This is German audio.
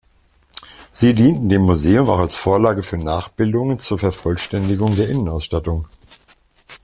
Sie dienten dem Museum auch als Vorlage für Nachbildungen zur Vervollständigung der Innenausstattung.